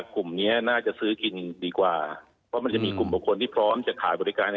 กลุ่มนี้น่าจะซื้อกินดีกว่าเพราะมันจะมีกลุ่มบุคคลที่พร้อมจะขายบริการ